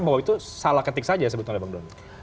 bahwa itu salah ketik saja sebetulnya bang doni